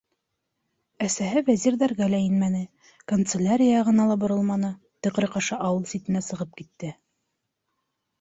Әсәһе Вәзирҙәргә лә инмәне, канцелярия яғына ла боролманы, тыҡрыҡ аша ауыл ситенә сығып китте.